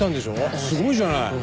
すごいじゃない。